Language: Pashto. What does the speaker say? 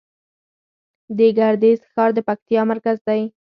د ګردیز ښار د پکتیا مرکز دی